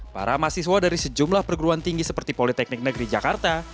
para mahasiswa dari sejumlah perguruan tinggi seperti politeknik negeri jakarta